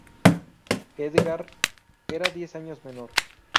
Edgard era diez años menor.